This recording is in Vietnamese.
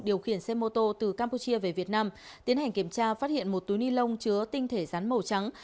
điều khiển xe mô tô từ campuchia về việt nam tiến hành kiểm tra phát hiện một túi ni lông chứa tinh thể rắn màu trắng